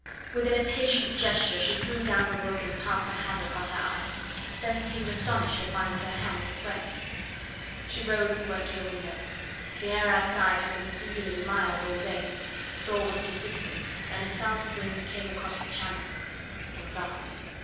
With an impatient gesture she threw down the book and passed her hand across her eyes, then seemed astonished to find that her hand was wet. She rose and went to the window. The air outside had been singularly mild all day; the thaw was persisting, and a south wind came across the Channel from France.